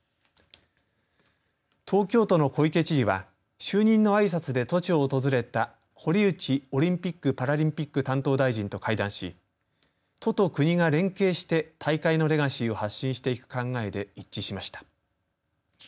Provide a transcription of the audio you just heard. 東京都の小池知事は就任のあいさつで都庁を訪れた堀内オリンピック・パラリンピック担当大臣と会談し都と国が連携して大会のレガシーを発信していく考えで一致しました。